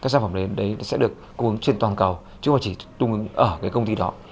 các sản phẩm đấy sẽ được cung ứng trên toàn cầu chứ không chỉ cung ứng ở cái công ty đó